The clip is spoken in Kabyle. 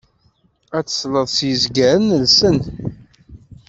Ar tesleḍ s yizgaren llsen.